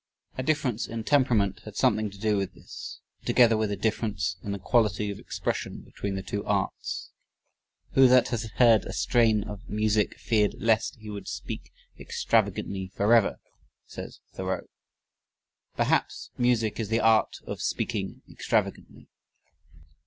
A difference in temperament had something to do with this, together with a difference in the quality of expression between the two arts. "Who that has heard a strain of music feared lest he would speak extravagantly forever," says Thoreau. Perhaps music is the art of speaking extravagantly.